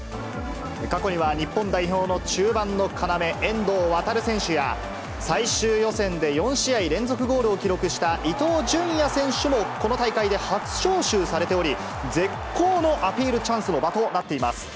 過去には日本代表の中盤の要、遠藤航選手や、最終予選で４試合連続ゴールを記録した伊東純也選手もこの大会で初招集されており、絶好のアピールチャンスの場となっています。